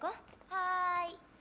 はい。